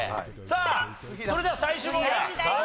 さあそれでは最終問題。